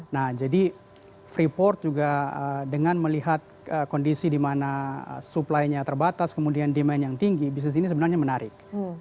nah jadi freeport juga dengan melihat kondisi di mana supply nya terbatas kemudian demand yang tinggi bisnis ini sebenarnya menarik